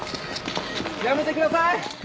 やめてください。